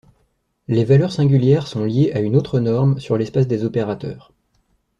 Les valeurs singulières sont liées à une autre norme sur l'espace des opérateurs.